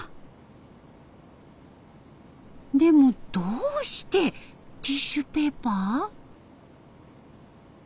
でもどうしてティッシュペーパー？